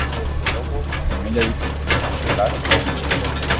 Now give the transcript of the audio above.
Desde logo, semella difícil de explicar ou entender.